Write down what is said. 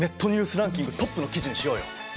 ランキングトップの記事にしようよ！